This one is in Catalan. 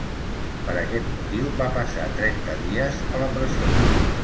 Per aquest motiu va passar trenta dies a la presó.